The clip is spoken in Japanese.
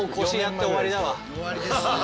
終わりですね。